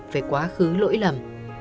về quá khứ lỗi lầm